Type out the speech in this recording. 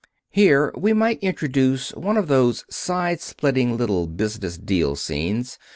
(Here we might introduce one of those side splitting little business deal scenes.